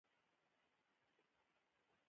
خو په دې شرط چې پر ځمکه ونه لېږم.